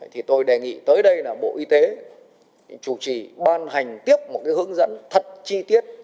thì tôi đề nghị tới đây là bộ y tế chủ trì ban hành tiếp một hướng dẫn thật chi tiết